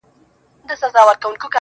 پربت باندي يې سر واچوه.